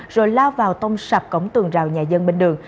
rồi lao vào tông sập cổng tường rào nhà dân bên đường